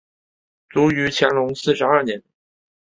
卒于乾隆四十二年。